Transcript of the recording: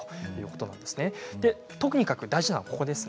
とにかく大事なのはこちらです。